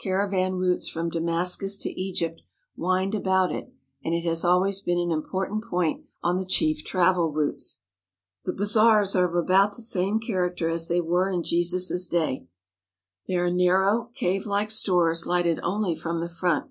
Caravan routes from Damascus to Egypt wind about it, and it has always been an important point on the chief travel routes. The bazaars are of about the same character as they were in Jesus's day. They are narrow, cave like stores lighted only from the front.